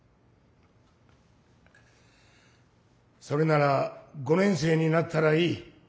それなら５年生になったらいい。